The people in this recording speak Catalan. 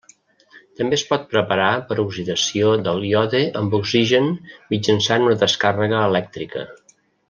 També es pot preparar per oxidació del iode amb oxigen mitjançant una descàrrega elèctrica.